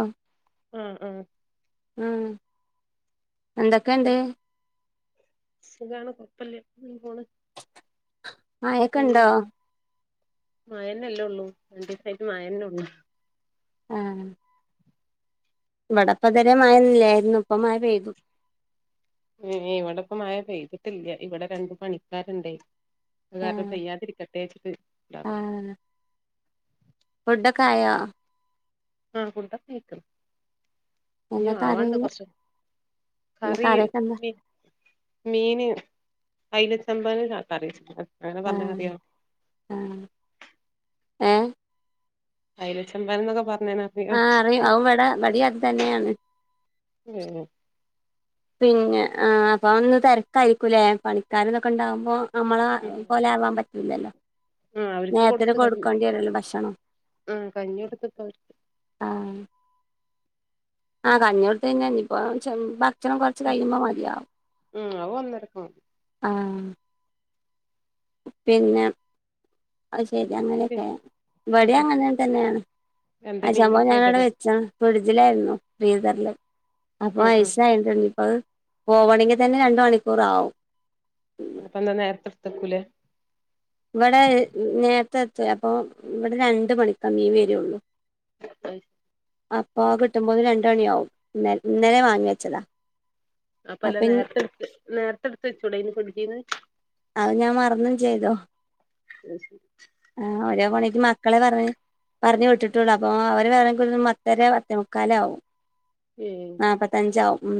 ആഹ് ആഹ് ആഹ് ആഹ് എന്തൊക്കെണ്ട്? സുഖാണ് കൊയപ്പല്ല്യ ഇങ്ങനെ പോണ് മഴക്കെണ്ടോ? മഴന്നെല്ലെ ഒള്ളൂ രണ്ടീസായിട്ട് മഴന്നൊള്ളൂ ആഹ് ഇവടെപ്പെ ഇതരെ മഴല്ലായിരുന്നു ഇപ്പ മഴ പെയ്തു ഇവിടെപ്പ മയ പെയ്തിട്ടില്ല ഇവിടെ രണ്ട് പണിക്കാരുണ്ടേ അത്കാരണം ആഹ് പെയ്യാതിരിക്കട്ടെ വച്ചിട്ട് ഉണ്ടാവ ഫുഡൊക്കായോ ആഹ് ഫുഡൊക്കയിക്ക്ണ് ഇഞ്ഞു എന്താ കറി ആവാണ്ട് ഇന്ന് കുറച്ച് കറി കറിയൊക്കെ എന്താ മീന് അയിലചെമ്പാന് കറി വെച്ചിട്ടുണ്ട് അത് ആഹ് പറഞ്ഞറിയോ ആഹ് ഏഹ് അയിലചെമ്പാന് എന്നൊക്കെ പറഞ്ഞേന് ആഹ് അറിയും അവ് ഇവട ഇവടിം അത് തന്നേണ്‌ ഉം പിന്നെ ആഹ് അപ്പന്ന് തിരക്കായിരിക്കൂല്ലേ പണിക്കാരതൊക്കെ ഉണ്ടാകുമ്പോ നമ്മളെ ഉം പോലെ ആവാൻ പറ്റൂല്ലല്ലോ ആഹ് അവർക്ക് നേരത്തിന് കൊടുത്ത് കഞ്ഞി കൊടുക്കേണ്ടി വരല്ലോ ഭക്ഷണം ആഹ് കഞ്ഞി കൊടുത്ത്പ്പ അവർക്ക് ആഹ് ആഹ് കഞ്ഞിടത്ത് തന്നെയന്ന ഇപ്പ [unintelligible] ഭക്ഷണം കൊറച്ച് കഴിയുമ്പോ മതിയാവും ഉം അത് ഒന്നരക്ക് ആഹ്‌ പിന്നെ അയി ശരി മതി അങ്ങനെയൊക്കെ ഉം വടെ ഉം അങ്ങനെ തന്നെയാണ് എന്താ അയി മീൻ സംഭവം ഞാനവിടെ കിട്ടിയതല്ലേ വെച്ചാണ് ഫ്രിഡ്ജിലായിരുന്നു ഫ്രീസറിൽ അപ്പൊ ഉം ഉം ഐസ് ആയിരുന്നു ഇപ്പ അത് പോവണങ്കി തന്നെ രണ്ട് മണിക്കൂറാകും അപ്പൊന്താ നേരത്തെടുത്തക്കൂലേ ഇവിടെ നേരത്തെത്തെ അപ്പൊ ഇവിടെ രണ്ട് മണിക്കമ്മീ വരുള്ളൂ അപ്പൊ ആ കിട്ടുമ്പോത് രണ്ട്ണിയവും ഇ ഇന്നലെ വാങ്ങി വെച്ചതാ അപ്പ അപ്പൊ എല്ലാം ഇനി നേരത്തെടുത്ത് നേരത്തെ എടുത്ത്ച്ചുടെ നി ഫ്രിഡ്ജിന്ന് അയ് ഞാൻ മറന്നും ചെയ്തോ അയി ശരി ആഹ്‌ ഒരോ പണിക്ക് മക്കളെ പറഞ് പറഞ് വിട്ടിട്ടുള്ളൂ അപ്പോൊ അവർ വണെങ്ക പത്തര പത്തെമുക്കാലാവും ഏഹ് നാപ്പത്തഞ്ചാവും ഉം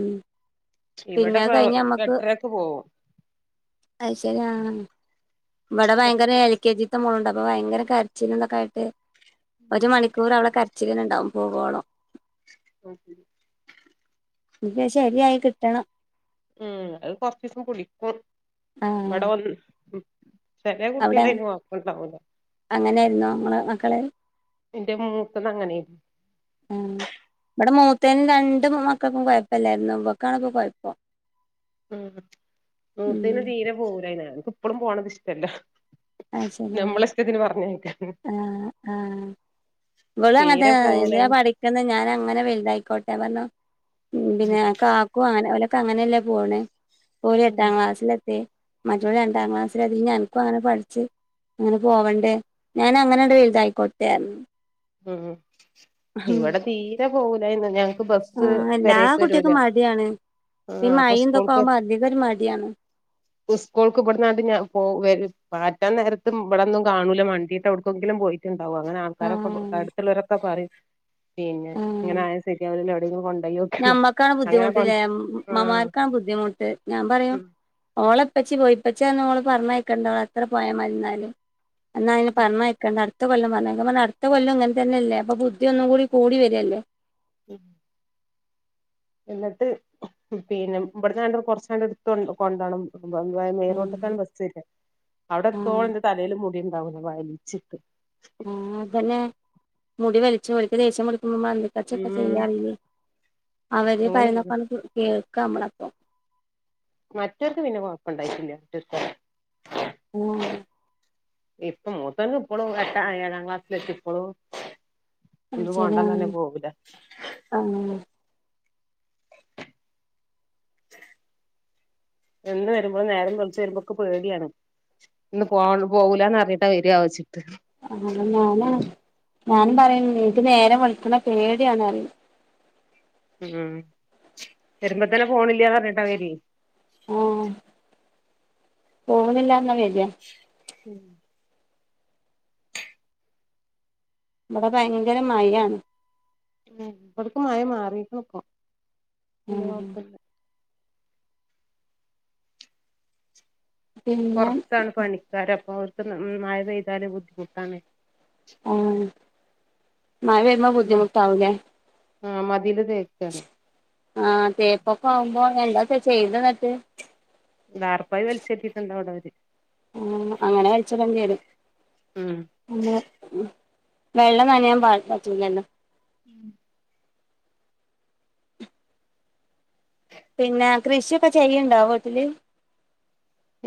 പിന്നെ ഇവിടെ അത് പ്പ കഴിഞ്ഞ് എട്ടരക്ക് പോവും അതയി ശരി ആഹ്‌ ഇവിടെ ഭയങ്കര എൽ കെ ജി ണ്ട് അപ്പൊ ഭയങ്കര കരച്ചീലോക്കെ ആയിട്ട് ഒരു മണിക് ഓള് അവളടെ കരച്ചിലിനണ്ടാവും പോവോളം ഓക്കെ പിന്നെ ശരിയായി കിട്ടണം ഉം അത് കൊറച്ചവസം കുടി ആഹ് ഇവിടെ വന്ന് ചേലെ അവിടെ കുട്ടിയാള് ഇന്ന വർക്കൊണ്ടാാവോ അങ്ങനെയായിരുന്നോ ങ്ങളെ മക്കള് എന്റെ മൂത്തത് അങ്ങനെയരുന്നു ആഹ്‌ ഇവിടെ മൂത്തേനും രണ്ട് മക്കൾക്കും കുഴപ്പല്ലായിരുന്നു വക്കാണ് ഇപ്പ കുഴപ്പം ഉം ഉം മൂത്തന് തീരെ പോവുലായിന് ഇപ്പളും പോണത് ഇഷ്ടല്ല അത് ശരി നമ്മളെ ഇഷ്ടത്തിന് പറഞ്ഞായക്കണ് ഇവള് അങ്ങനത്തെ എന്തിനാ പഠിക്ക ഞാൻ അങ്ങനെ വലുതായിക്കോട്ടെ പറഞ്ഞ പിന്നെ അങ്ങനെ ഓലൊക്കെ അങ്ങനെയല്ല പോണേ ഒര് ഉം എട്ടാം ക്ലാസ്സിലെത്തി മറ്റള് രണ്ടാം ഉം ക്ലാസ് ഇത്ര അധികംഞനക്കും അങ്ങനെ പഠിച്ച് അങ്ങനെ പോവണ്ടേ ഞാൻ അങ്ങനെണ്ട് വുതായിക്കോട്ടൊറഞ്ഞു ഉം ഇവിടെ തീരെ പോവുലന്ന് ഞാൻ ആഹ്‌ എല്ലാ കുട്ടിയക്കും മടിയാണ് ആഹ് മൈ അപ്പൊ എന്തൊക്കെ സ്കൂൾക്ക് ആവുമ്പോ അധിക ഒരു മടിയാണ് [inaudible] സ്കൂൾക്ക് ഇടന്നാട്ട ഞാ പോ പറ്റാൻ നേരത്തും ഇവിടൊന്നും കാണൂല വണ്ടിയിട്ട് അവിടുക്കെങ്കിലും പോയി ഉണ്ടാവും അങ്ങനെ ആൾക്കാരൊകേ പോ ആഹ് പറയും പിന്നെ ആഹ് ഇങ്ങനെ ആ ശരിയാ എവിടെങ്കിലും കൊണ്ട പോ ഞമ്മക്കാണ് ബുദ്ധിമുട്ടില്ലേ ആഹ് അമ്മമാർക്കാണ് ബുദ്ധിമുട്ട് ഞാൻ പറയു ഓളെപ്പച്ചി പോയിപ്പച്ചാ നിങ്ങള് പറഞ്ഞയക്കേണ്ടോള അത്ര പോയാൽ മരുന്നാലും എന്ന നി പറഞ്ഞയക്കണ്ട അടുത്ത കൊല്ലം പറഞ്ഞയാക അടുത്ത കൊല്ലം ഇങ്ങന തന്നെല്ലേ അപ്പോ [unintelligible] ഒന്നും കുടി കൂടിവരല്ല ഉം എന്നിട്ട് പിന്നെ ഇവിടന്ന്ണ്ട കൊറച്ചാണ്ട് എടുത്ത കൊണ്ടോണം മെയിൻറോട്ടക്ക ആഹ് ബസ്സര്ന്നെ അവിടെ ആഹ് എത്തോളം എന്റെ തലൽ മുടിണ്ട് ഉണ്ടാവുല വലിച്ചിട്ട് ആഹ്‌ അതന്നെ മുടി വലിച്ചു വര്ക്ക് ദേഷ്യം [unintelligible] ച്ചക്കെ ഉം ചെയ്യാറില്ലേ അവര് പറിനോക്ക അങ്ങനെയായിരുന്നു ആണ്ട് കേൾക്ക നമ്മളപ്പം മറ്റവർക്ക് പിന്നെ കൊഴപ്പണ്ടായിട്ടില്ല ടിസ്റ്റർ ഉം ഇപ്പ മൂത്തോനും ഇപ്പളും എട്ടാ ഏഴാം ക്ലാസ്സ്ൽ എത്തി ഇപ്പളും ആഹ് ഒന്നും പോണ്ടാന്ന് ചേലോൽ പറഞ്ഞ് പോവൂല അങ്ങനയാ എന്ത്‌ വരുമ്പളും നേരം വളിച്ചു വരുമ്പോ ഇക്ക് പേടിയാണ് ഇന്ന് പോ പോകൂലാന്ന് അറിഞ്ഞീട്ടാ വരാവോച്ചിട്ട് ആഹ് ഞാന ഞാനും പറയല് ണ്ട് ഇൻക്ക് നേരം വെള്ക്ക്ണേ പേടിയാണ് അറിയല് മം വരുമ്പോത്തന്നെ പോണില്ലാന്ന് പറഞ്ഞട്ടാ വരെ ആഹ് പോന്നില്ലാന്നാ വര ഉം ഇവിടെ ഭയങ്കര മഴയാണ് ഉം ഇബ്ട്ക്ക് മഴ മാറിക്ക്ണ് പ്പോ വെല്യാ ആഹ് കൊഴപ്പല്ല പിന്നെ പൊറത്താണ് പണിക്കാര് അപ്പൊ അവർക്ക് മഴ പെയ്താല് ബുദ്ധിമുട്ടാണ് ആഹ് മഴ വരുമ്പോ ബുദ്ധിമുട്ട് ആവുലെ ആഹ് മതില് തേക്കാണേ ആഹ് തേപ്പൊക്കെ ആവുമ്പോ എന്താച്ച ചെയ്ത് എന്നിട്ട് താർപ്പായി വലിച്ചെട്ടീണ്ട് അവടെ അവര് ആഹ് അങ്ങനെ വലിച്ച് ഇടേണ്ടി വരും ഉം വെള്ളം നനയാൻ പാട്‌ പറ്റില്ലല്ലോ ഉം [unintelligible] പിന്നാ കൃഷിയൊക്കെ ചെയ്യ്ണ്ടോ വീട്ടില്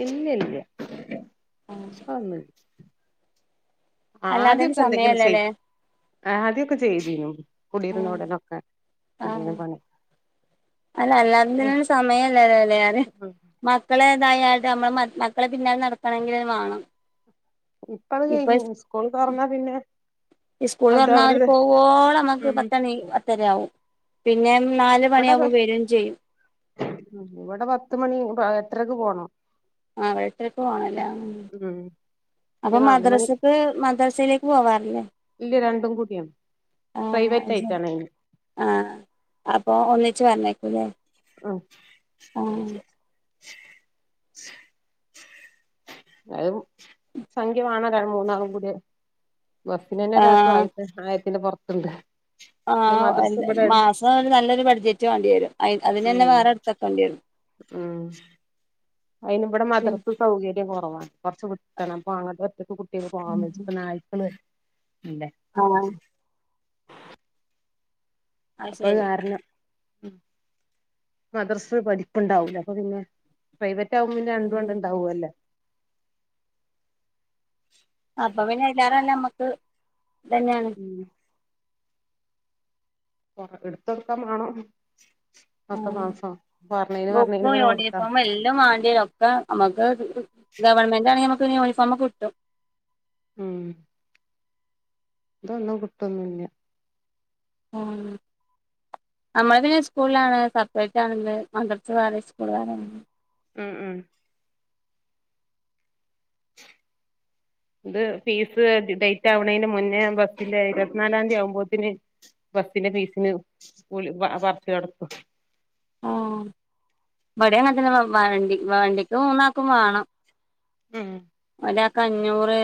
ഇല്ല ഇല്ല്യാ ആന്നുല്ല അല്ലാതിന് അത്യോക്കെ എന്തെങ്കിലും ചെയ് സമയല്ലല്ലേ ആദ്യൊക്കെ ചെയ്തീനും കുടീന് ആഹ് ന്നടനൊക്കെ ആഹ് എന്തേലും പണി അല്ല, അല്ലാതിന്നും സമയല്ല ല്ലോ? ലെ പറയ. മക്കളെതായാലും, നമ്മള് മക്കളെ പിന്നാലെ നടക്കണങ്കിലത് വാണം. ഇപ്പ, അത് കഴിഞ്ഞ്. സ്കൂൾ തൊറന്നാ പിന്നെ, സ്കൂൾ അത് തൊറന ഓല് അവരത് പോവോളം ഉം പത്തണി പത്തരയാവും. പിന്നെ, നാല് ഇവിടെ മണിയാവുമ്പോ വരും ചെയ്യും ഇവിടെ, പത്ത്മണി എട്ടരക്ക് പോണം. ആഹ്, എട്ടരക്ക് പോണ ല്ലേ? ഉം അപ്പൊ, പിന്നെ നാല് മണി മദ്രസക്ക് മദ്രസയിലേക്ക് പോവാറി ല്ലേ? പ്രൈവറ്റയിറ്റാണ് അയിന്. ആഹ്, അപ്പോ ഒന്നിച്ച് പറഞ്ഞേക്കു ലെ? ആഹ് [inaudible] അത് സംഖ്യവേണം. മൂന്നാളും കൂടിയ. ബസ്സ്‌ന ന്നെ ആ ഒരാക്ക് ആയിത്തെ ആയിരത്തിന്റെ പൊറത് ണ്ട്. ആഹ്, മാസം ഒരു നല്ലൊരു ബഡ്ജറ്റ് വേണ്ടി വരും. അയി, അതിനന്നെ ഉം വേറെ എടുത്ത വെക്കെണ്ടി വരും. ഉം അതിന്, ഇവിടെ പിന്നെ മദ്രസ് സൗകര്യം കൊറവാണ്. കൊറച്ച് ദൂരെയാണ്. അപ്പൊ, അങ്ങട്ട് ഒറ്റക്ക് കു ട്ടികൾ പോവാൻ വജ്ജാ, ഇപ്പം നായ്ക്കള് ഇല്ല. ആഹ് അത് അപ്പത് ശരി കാരണം. ഉം മദർസ് പഠിപ്പ്‌ ണ്ടാവൂല. അപ്പൊ, പിന്നെ പ്രൈവറ്റ് ആകുമ്പോ, പിന്നെ രണ്ടു ആണ്ട്ണ്ടാവോ ല്ലോ? അപ്പൊ പിന്നെ അയിലേറ നല്ലേ ന മ്മക്ക് ഇതന്നെയാണ്. ഉം എടുത്ത് കൊടുക്കാൻ വേണം. പത്തു ആ മാസം. പറഞ്ഞേന്, പറഞ്ഞേന് ബുക്കും ഇങ്ങനെ കൊട്ക്കാ- യൂണിഫോമും എല്ലാം വേണ്ടി വരും. ഓക്കെ നമ്മക്ക് ഗവൺമെന്റ് ആണെങ്കി നമ്മക്ക് യൂണിഫോമെക്കെ കിട്ടും. ഉം ഇതാന്നും കിട്ട ന്നും ഇല്ല്യാ. ഉം നമ്മൾ പിന്നെ, സ്കൂളിലാണ്. സെപ്പറേറ്റ് ആണ്. ഇത് മദ്രസ വേറെ യും, സ്കൂള് വേറെ യും ആണ്. ഉം ഉം [inaudible] ഇത്, ഫീസ് ഡേറ്റ് ആവണെന് മുന്നേ ബെസ്സിലെ ഇരുപത്തിനാലാം തീയതി ആമ്പോത്തിന്. ബെസ്സിന്റെ ഫീസിന് വിളി, പറച്ചിൽ തുടങ്ങും. ആഹ്, ഇവിടെയും അങ്ങനെ തന്നെ വണ്ടി വണ്ടിക്ക് മൂന്നാക്കും വേണം. ഉം ഒരാക്ക്, അഞ്ഞൂറ്.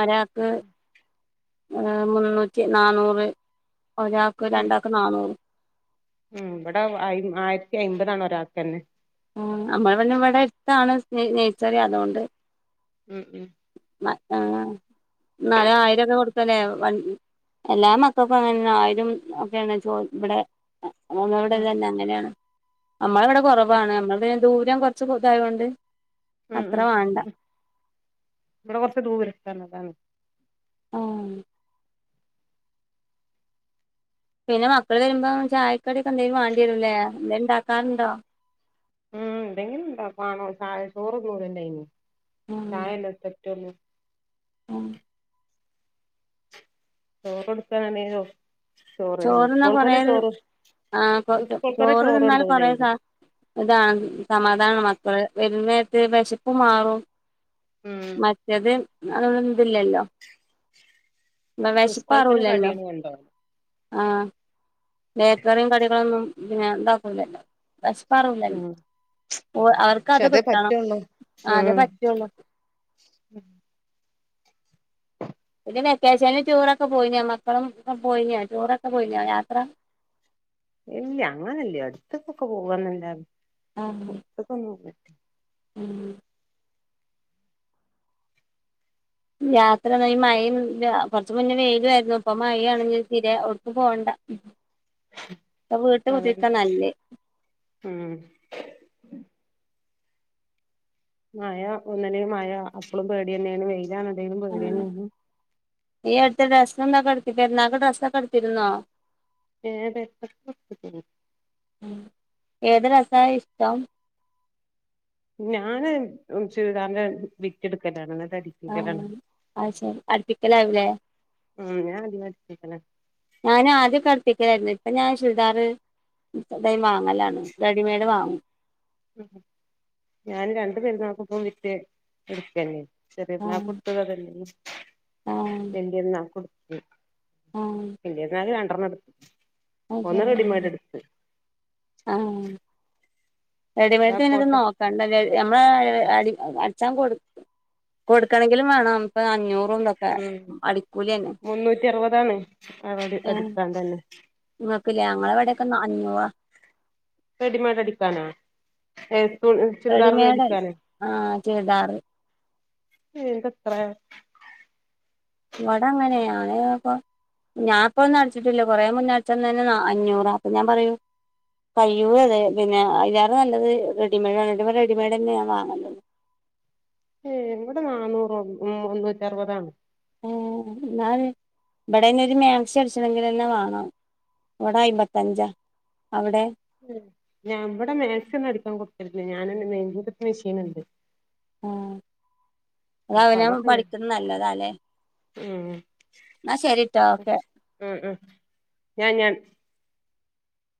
ഒരാക്ക് യെ, മുന്നൂറ്റി നന്നൂറ്, ഒരാക്ക്, ഉം രണ്ടാക്ക് നന്നൂറ്. ഉം, ഇവടെ അയ് ആയിരത്തി അയ്മ്പതാണ്, ഒരാക്ക് തന്നെ. ആഹ്, നമ്മുടെ പിന്നെ ഇവടെ എടുത്താണ് നെഴുസറി അതോണ്ട്. ഉം ഉം ആഹ്, ആഹ് എന്നാലും ആയിരോക്കെ കൊട്ക്കാ അല്ലേ വണ്ടി എല്ലാം മ അപ്പെക്കെ അങ്ങനെ ന്നേ ആയിരം ഒക്കെയാണ് ചോ ഇവടെ നമ്മുടെ ഉം തന്നെ അങ്ങനണ്. നമ്മള് ഇവടെ കൊറാവാണ്. നമ്മള് പിന്നെ ദൂരം കൊറച്ച് ഇത് ആയോണ്ട് ഉം അത്ര വേണ്ടാ. ഇവടെ കൊറച്ച് ദൂരതാണ് അതാണ്. ആഹ് പിന്നെ മക്കള് വെരുമ്പം ചായക്കാടിയൊക്കെ എന്തേലും വാണ്ടി വരൂല്ലേ എന്തേലുണ്ടാക്കാണ്ടോ ഉം എന്തെങ്കിലും [unintelligible] ചായ ചോറ് കൂടെണ്ടായിനി ഉം ചായല്ലേ പറ്റുള്ളൂ ഉം ചോറ് കൊടുക്കാന് [unintelligible] [unintelligible] ചോറ്ന്നാ കൊറേ സ്കൂള്ക്കെന്നെ ചോറ് ആ [unintelligible] സ്കൂൾക്കെന്നെ ചോറ് തിന്നാൽ കൊറേ കൊണ്ടോവൂലേയ്ന്ന് സ ഇതാണ് സമാധാനം മക്കള് വെരുന്നേര്ത്ത് വെശപ്പ് മാറും ഉം മറ്റത് അത് ഒര്ഇത്ഇല്ലല്ലോ ന്നാ വെഷപ്പ് ആറൂലല്ലോ ഒണ്ടോ ആഹ് ബേക്കറിയും കടികളൊന്നും പിന്നെ ഒണ്ടാക്കില്ലൊ അല്ലോ [unintelligible] ഉം ഓ അവർക്ക് പക്ഷെ അത് അതേ കിട്ടണം പറ്റുള്ളൂ ആതേ ഉം പറ്റൊള്ളൂ പിന്നെ വെക്കേഷന് ടൂറൊക്കെ പോയിനോ മക്കളും പോയിനോ ടൂറൊക്കെ പോയിനിയേ യാത്ര ഇല്ല്യ അങ്ങനല്ല്യ അട്ത്ക്കൊക്കെ പോവാന്നല്ലാതെ ആഹ് ഇത്പ്പോന്നു [unintelligible] ഉം യാത്ര [unintelligible] ഈ മയും ഒന്നും ഇല്ലാ കൊറച്ച് മുന്നേ വെയിലും ആരുന്നു അപ്പൊ മയാണെങ്കി പിന്നെ ഓട്ക്കും പോണ്ടാ അപ്പൊ വീട്ട് അതന്നെ കുത്തിരിക്കാ നല്ലേ ഉം മയ ഒന്നല്ലേ മഴ അപ്പോളും പേടിയന്നേണ് വെയിലാണേ അല്ലേലും ആഹ് പേടിയന്നേണ് ഈ അടുത്ത് ഡ്രസ്സ്തൊക്കെട്ത്തില്ലേര്ന്നോ പെരുന്നാള്ക്ക് ഡ്രസ്സക്കെട്ത്തിര്ന്നോ ഏഹ് ഡ്രസ്സൊക്കെട്ത്ക്ക്ണു ഉം ഏത് ഡ്രസ്സാ ഇഷ്ടം ഞാന് ചൂരിദാറിന്റെ ബിറ്റ് എടുക്കലാണ് ന്നിട്ട് അടി ആഹ് അയ്ശരി അട്പ്പിക്കലാവുംലേ ഉം ഞാനധികം അട്പ്പിക്കലാ ഞാൻ ആദ്യൊക്കെ അടിപ്പിക്കലാര്ന്ന് ഇപ്പൊ ഞാൻ ചുരിദാറ് [unintelligible] വാങ്ങലാണ് റെഡിമെയ്ഡ് വാങ്ങും. ഞാന് രണ്ടു പെരുന്നാക്കും ഇപ്പോ ബിറ്റ് എടുക്കന്നേ. ആഹ് ചെറിയര്ന്നാക്കുംട്ത്തതന്നെ ആഹ് വല്യര്നാക്കും എടുത്തു. ആഹ് വല്ല്യര്നാക്ക് രണ്ടെണ്ണട് അയ്ശരിയാണ് ആഹ് അതാ റെഡിമെയ്ഡ്തന്നെത് കോട്ട നോ കണ്ടല്ല നഞമ്മള് അടി അട്ച്ചാൻ കൊടു കൊടുക്കണങ്കിലും വാണം. ഇപ്പൊ അഞ്ഞൂറുംതൊക്കെ ഉം അടിക്കൂലി തന്നെ ഉം. അതന്നെ ഇങ്ങക്ക്ലേ ഞങ്ങളെ ഇവിടയൊക്കെ അഞ്ഞൂറാ റെഡിമേഡ് അടിക്കാനോ ഏ ചുരിദാറൊന്ന് റെഡിമെയ്ഡ് അടിക്കാനാ. ആ ചുരിദാറ് ഏഹ് എന്തത്രേ. ഇവടെ അങ്ങനെ ഞാന് ഇപ്പൊ. ഞാൻപ്പഴൊന്നും അടിച്ചിട്ടില്ല കൊറേ മുന്ന അടച്ചന്നന്നെ അഞ്ഞൂറാ അപ്പൊ ഞാൻ പറയും കയ്യൂലത് പിന്നെ അതിലേറെ നല്ലത് റെഡിമേടാണ് ഇന്നിട്ട്പ റെഡിമെയ്ഡ്ന്നെ ഞാൻ വാങ്ങല്. ഏഹ് ഇവിടെ നാന്നൂറള്ളു മുന്നൂറ്റി അറുപതാണ്. ഉം ഇന്നാല് ഇവിടെ അയ്ന് ഒരു മാക്സി അടിച്ചണങ്കിലന്നെ വാണം. ഇവിടെ അയ്മ്പത്തഞ്ചാ അവിടെ. ഇവിടെ മാക്സി ഒന്നും അടിക്കാൻ കൊടുക്കലില്ല ഞാനാണ് മെയിൻ മെഷൃനുണ്ട്. ആഹ് അപ്പൊ അതവനവൻ അതൊക്കെ ഞാൻ പഠിക്കുന്ന നല്ലതല്ലേ. ഉം ന്നാ ശരീട്ടാ ഓക്കെ. ഉം ഉം ഞാൻ ഞാൻ